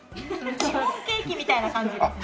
シフォンケーキみたいな感じですね。